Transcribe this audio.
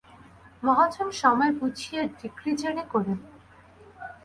মহাজন সময় বুঝিয়া ডিক্রীজারি করিল।